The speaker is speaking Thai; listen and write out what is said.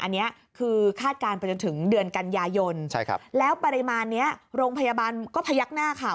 อันนี้คือคาดการณ์ไปจนถึงเดือนกันยายนแล้วปริมาณนี้โรงพยาบาลก็พยักหน้าค่ะ